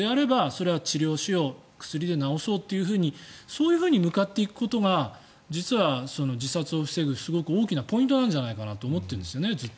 それは治療しよう薬で治そうというふうに向かっていくことが実は自殺を防ぐ、すごく大きなポイントなんじゃないかなとずっと思ってるんですよね。